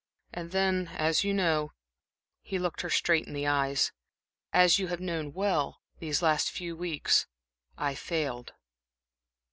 And then, as you know" he looked her straight in the eyes "as you have known well these last few weeks, I failed."